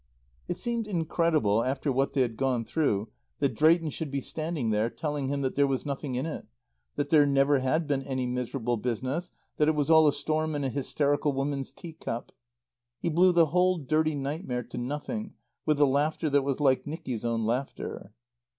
It seemed incredible, after what they had gone through, that Drayton should be standing there, telling him that there was nothing in it, that there never had been any miserable business, that it was all a storm in a hysterical woman's teacup. He blew the whole dirty nightmare to nothing with the laughter that was like Nicky's own laughter.